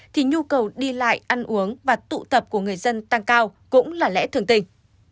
thì nhu cầu đi lại ăn uống và tụ tập của người dân tăng cao cũng là lẽ thường tình